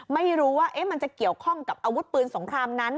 ไม่รู้ว่ามันจะเกี่ยวข้องกับอาวุธปืนสงครามนั้น